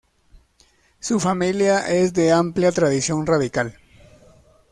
Su familia es de amplia tradición radical.